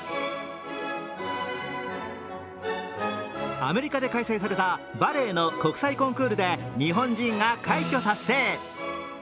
アメリカで開催されたバレエの国際コンクールで日本人が快挙達成。